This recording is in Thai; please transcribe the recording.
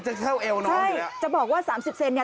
จะเข้าเอวน้องอยู่แล้วใช่จะบอกว่า๓๐เซนติเซนติ